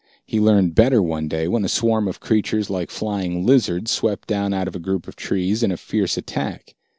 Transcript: He learned better one day when a swarm of creatures like flying lizards swept down out of a group of trees in a fierce attack.